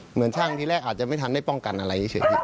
เหมือนช่างทีแรกอาจจะไม่ทันได้ป้องกันอะไรเฉย